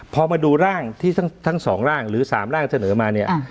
พอมาดูร่างที่ทั้งสองร่างหรือ๓ร่างเสนอมาเนี่ย